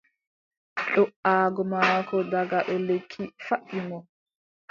Do"aago maako daga dow lekki faɗɗi mo.